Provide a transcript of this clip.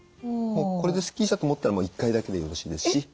もうこれですっきりしたと思ったら１回だけでよろしいですし。